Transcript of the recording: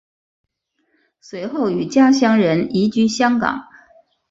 随后与家人移居香港。